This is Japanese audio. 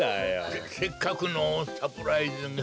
せせっかくのサプライズが。